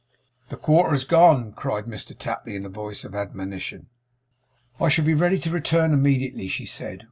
'The quarter's gone!' cried Mr Tapley, in a voice of admonition. 'I shall be ready to return immediately,' she said.